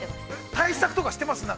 ◆対策とかしてます？